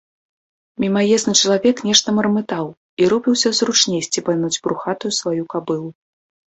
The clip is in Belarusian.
Мімаезны чалавек нешта мармытаў і рупіўся зручней сцебануць брухатую сваю кабылу.